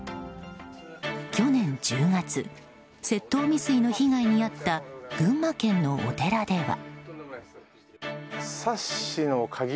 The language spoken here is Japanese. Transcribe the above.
去年１０月窃盗未遂の被害に遭った群馬県のお寺では。